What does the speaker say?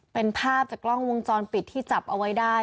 เป็นภาพจากกล้องวงจรปิดที่จับเอาไว้ได้